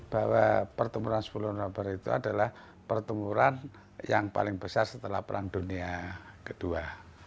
bahwa pertemuran sepuluh november itu adalah pertemuran yang paling besar setelah perang dunia ii